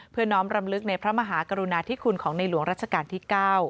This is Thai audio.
น้อมรำลึกในพระมหากรุณาธิคุณของในหลวงรัชกาลที่๙